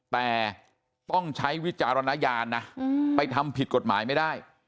แต่ต้องใช้วิจารณญาณนะไปทำผิดกฎหมายไม่ได้